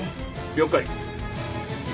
了解。